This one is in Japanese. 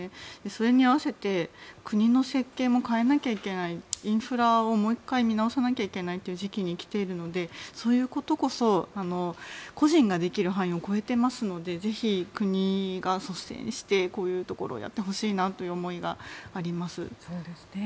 それに合わせて国の設計も変えなければいけないインフラをもう１回見直さなきゃいけないという時期に来ているのでそういうことこそ個人ができる範囲を超えているのでぜひ国が率先してこういうところをやってほしいなという思いがあります。